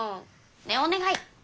ねえおねがい！